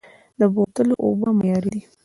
د بوتلو اوبه معیاري دي؟